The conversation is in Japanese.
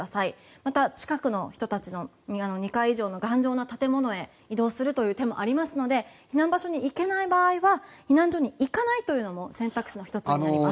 また、近くの人たちの２階以上の頑丈な建物へ移動するという手もありますので避難場所に行けない場合は避難所に行かないというのも選択肢の１つになります。